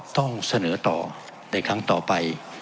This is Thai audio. ต้องเสนอต่อในครั้งต่อไป